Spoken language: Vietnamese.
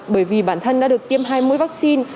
bởi vì bản thân đã được tiêm hai mươi vaccine